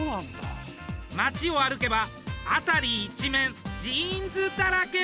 街を歩けば辺り一面ジーンズだらけ！